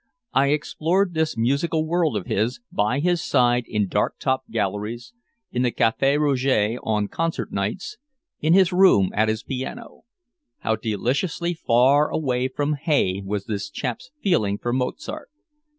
I explored this musical world of his, by his side in dark top galleries, in the Café Rouge on concert nights, in his room at his piano. How deliciously far away from hay was this chap's feeling for Mozart.